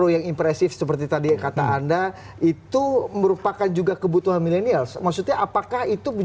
yang impresif seperti tadi kata anda itu merupakan juga kebutuhan milenial maksudnya apakah itu